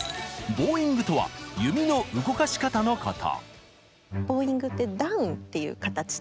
ボウイングとは弓の動かし方のこと。